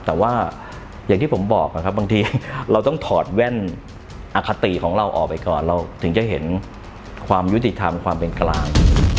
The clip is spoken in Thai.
แต่ว่าอย่างที่ผมบอกนะครับบางทีเราต้องถอดแว่นอคติของเราออกไปก่อนเราถึงจะเห็นความยุติธรรมความเป็นกลาง